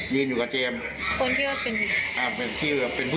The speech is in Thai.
ยืนอยู่กับเจมส์ค่ะ